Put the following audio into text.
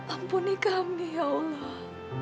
ampuni kami ya allah